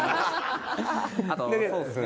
あとそうですね。